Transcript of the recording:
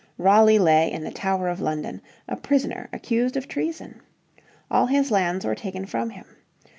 Raleigh lay in the Tower of London, a prisoner accused of treason. All his lands were taken from him.